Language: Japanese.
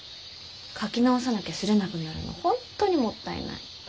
描き直さなきゃ刷れなくなるの本当にもったいない。